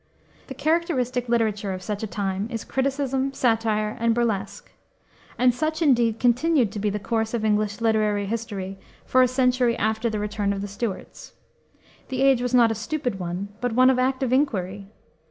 The characteristic literature of such a time is criticism, satire, and burlesque, and such, indeed, continued to be the course of English literary history for a century after the return of the Stuarts. The age was not a stupid one, but one of active inquiry.